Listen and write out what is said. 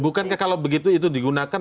bukankah kalau begitu itu digunakan